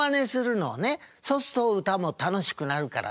そうすると歌も楽しくなるから」。